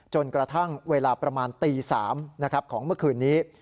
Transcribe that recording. จนกระทั่งเวลาประมาณตี๓ของเมื่อคืนนี้